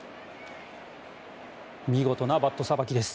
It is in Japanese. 見事なバットさばきです。